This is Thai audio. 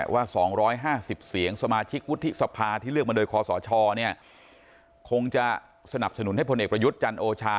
ว่า๒๕๐เสียงสมาชิกวุฒิสภาที่เลือกมาโดยคอสชเนี่ยคงจะสนับสนุนให้พลเอกประยุทธ์จันโอชา